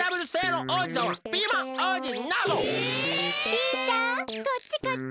ピーちゃんこっちこっち！